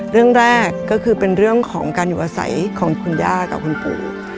เรื่องแรกก็คือเป็นเรื่องของการอยู่อาศัยของคุณย่ากับคุณปู่